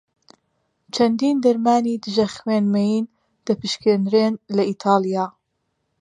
چەندین دەرمانی دژە خوێن مەین دەپشکنرێن لە ئیتاڵیا.